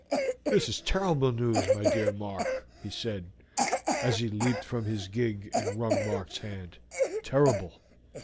"This is terrible news, my dear Mark," he said, as he leaped from his gig and wrung Mark's hand "terrible.